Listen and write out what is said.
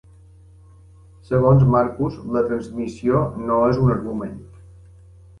Segons Marcus, la "transmissió" no és un argument.